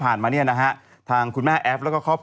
ไปที่คุณแม่แอฟนุ่ม